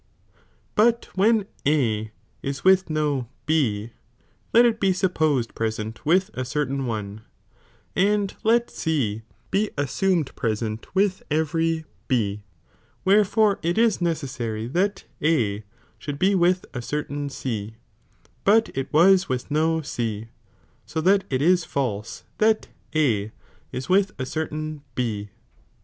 But wbea A is with no B, let it be supposed present with a certain one, and let C be assumed present with every B, wherefore it is necessary that A should be with a certain C, but it was with no C, so that it is false that A ia with a certain B.